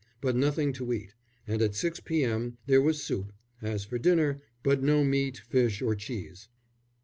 but nothing to eat; and at 6 p.m. there was soup, as for dinner, but no meat, fish or cheese.